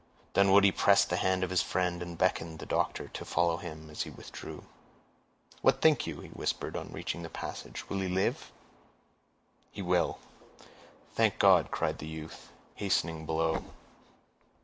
Dunwoodie pressed the hand of his friend, and beckoned the doctor to follow him, as he withdrew. "What think you?" he whispered, on reaching the passage. "Will he live?" "He will." "Thank God!" cried the youth, hastening below.